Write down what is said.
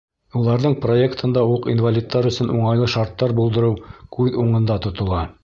Уларҙың проектында уҡ инвалидтар өсөн уңайлы шарттар булдырыу күҙ уңында тотола.